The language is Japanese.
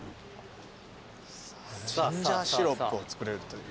ジンジャーシロップを作れるという。